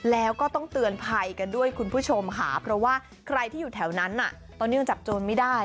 แล้วก็ต้องเตือนภัยกันด้วยคุณผู้ชมค่ะเพราะว่าใครที่อยู่แถวนั้นตอนนี้ยังจับโจรไม่ได้